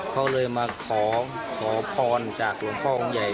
เขาเลยมาขอพรจากหลวงพ่อองค์ใหญ่